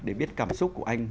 để biết cảm xúc của anh